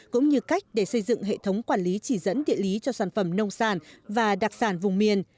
cũng như cách để xây dựng hệ thống quản lý chỉ dẫn địa lý cho sản phẩm nông sản và đặc sản vùng miền